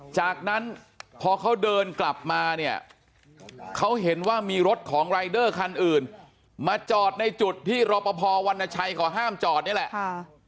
จากนั้นพอเขาเดินกลับมาเนี่ยเขาเห็นว่ามีรถของรายเดอร์คันอื่นมาจอดในจุดที่รอปภวรรณชัยเขาห้ามจอดนี่แหละ